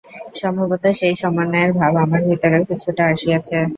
সম্ভবত সেই সমন্বয়ের ভাব আমার ভিতরেও কিছুটা আসিয়াছে।